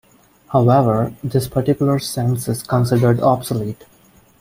However, this particular sense is considered obsolete.